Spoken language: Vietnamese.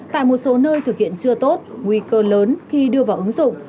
tại một số nơi thực hiện chưa tốt nguy cơ lớn khi đưa vào ứng dụng